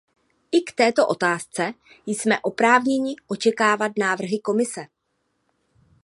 I k této otázce jsme oprávněni očekávat návrhy Komise.